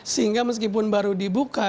sehingga meskipun baru dibuka